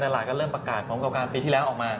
ก็เริ่มประกาศของโรงพยาบาลประกอบการปีที่แล้วออกมา